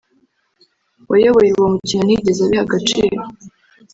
wayoboye uwo mukino ntiyigeze abiha agaciro